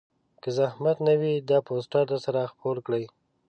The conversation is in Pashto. که زحمت نه وي دا پوسټر درسره خپور کړئ